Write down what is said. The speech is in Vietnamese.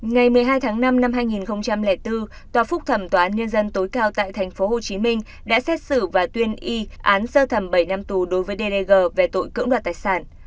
ngày một mươi hai tháng năm năm hai nghìn bốn tòa phúc thẩm tòa án nhân dân tối cao tại tp hcm đã xét xử và tuyên y án sơ thẩm bảy năm tù đối với deg về tội cưỡng đoạt tài sản